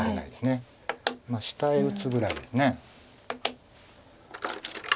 下へ打つぐらいです。